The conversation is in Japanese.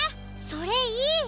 それいい！